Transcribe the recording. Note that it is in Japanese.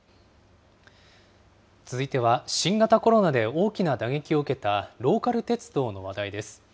続いては、新型コロナで大きな打撃を受けたローカル鉄道の話題です。